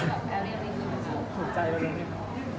ก็จะแบบแอลเดียลนิดหนึ่ง